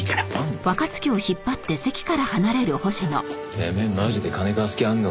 てめえマジで金貸す気あんのかよ？